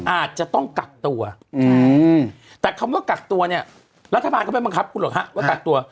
อาจจะต้องกักตัวแต่คำว่ากักตัวเนี่ยรัฐบาลก็ไม่บังคับคุณหรอกฮะว่ากักตัว